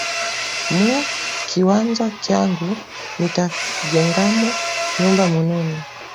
Mu kiwanza kyangu mita jengamo nyumba munene